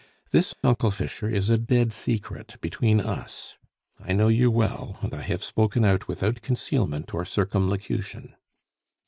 This, Uncle Fischer, is a dead secret between us. I know you well, and I have spoken out without concealment or circumlocution."